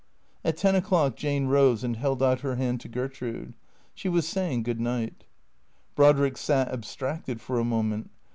At ten o'clock Jane rose and held out her hand to Gertrude. She was saying good night. Brodrick sat abstracted for a mo ment.